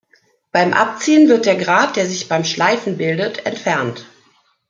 Beim Abziehen wird der Grat, der sich beim Schleifen bildet, entfernt.